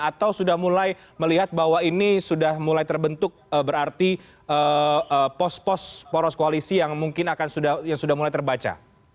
atau sudah mulai melihat bahwa ini sudah mulai terbentuk berarti pos pos poros koalisi yang mungkin sudah mulai terbaca